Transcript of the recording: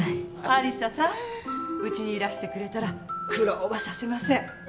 有沙さんうちにいらしてくれたら苦労はさせません。